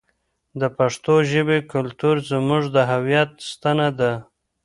د پښتو ژبې کلتور زموږ د هویت ستنه ده.